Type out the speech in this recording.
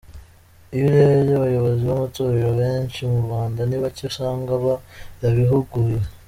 Iyo urebye abayobozi b’amatorero menshi mu Rwanda, ni bacye usanga barabihuguriwe.